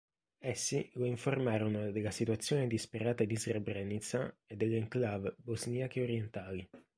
Essi lo informarono della situazione disperata di Srebrenica e delle enclave bosniache orientali.